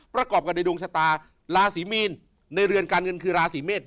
ประกอบกันในดวงชะตาราศีมีนในเรือนการเงินคือราศีเมษ